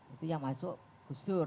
itu yang masuk usur